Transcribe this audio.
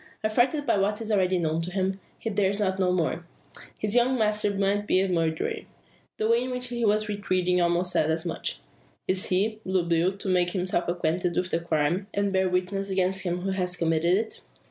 Affrighted by what is already known to him, he dares not know more. His young master may be a murderer? The way in which he was retreating almost said as much. Is he, Blue Bill, to make himself acquainted with the crime, and bear witness against him who has committed it?